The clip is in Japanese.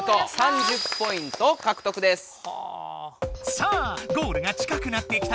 さあゴールが近くなってきたぞ！